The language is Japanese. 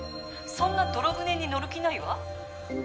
そんな泥船に乗る気ないわ。